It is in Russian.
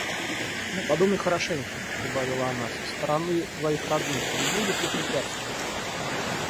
«Но подумай хорошенько, – прибавила она, – со стороны твоих родных не будет ли препятствия?»